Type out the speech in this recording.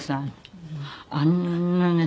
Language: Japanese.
あんなね